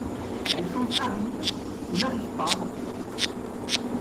Les choses arrivent ou n'arrivent pas dans ce monde.